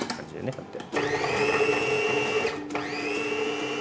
こうやって。